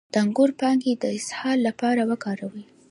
د انګور پاڼې د اسهال لپاره وکاروئ